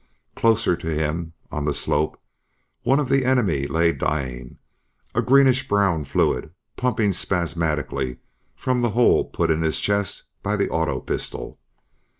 Closer to him, on the slope, one of the enemy lay dying, a greenish brown fluid pumping spasmodically from the hole put in his chest by the auto pistol.